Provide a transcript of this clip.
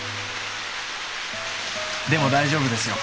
でも大丈夫ですよ。